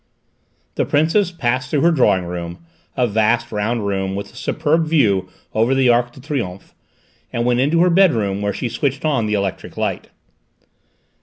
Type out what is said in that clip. The Princess passed through her drawing room, a vast, round room, with a superb view over the Arc de Triomphe, and went into her bedroom where she switched on the electric light.